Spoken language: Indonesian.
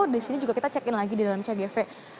di sini juga kita cekin lagi di dalam cgv